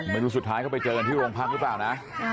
ไม่รู้สุดท้ายเขาไปเจอกันที่โรงพักหรือเปล่านะ